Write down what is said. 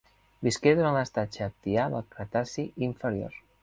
Visqué durant l'estatge Aptià del Cretaci inferior.